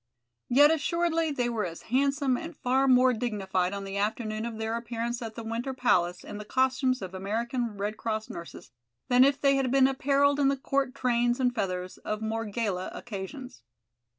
Yet assuredly they were as handsome and far more dignified on the afternoon of their appearance at the Winter Palace in the costumes of American Red Cross nurses, than if they had been appareled in the court trains and feathers of more gala occasions.